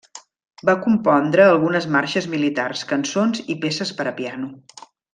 Va compondre algunes marxes militars, cançons i peces per a piano.